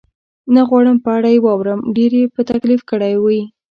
نه غواړم په اړه یې واورم، ډېر یې په تکلیف کړی وې؟